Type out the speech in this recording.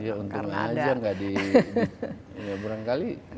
ya untung aja gak di